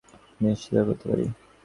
আমি নিশ্চিতভাবে বলতে পারি!